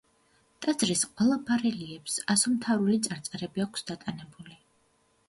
ტაძრის ყველა ბარელიეფს ასომთავრული წარწერები აქვს დატანებული.